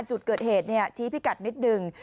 จุดเกิดเหตุชี้พิกัดนิดหนึ่ง